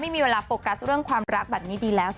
ไม่มีเวลาโฟกัสเรื่องความรักแบบนี้ดีแล้ว